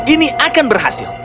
ini akan berhasil